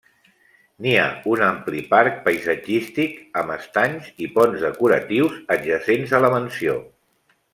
N'hi ha un ampli parc paisatgístic amb estanys i ponts decoratius adjacents a la mansió.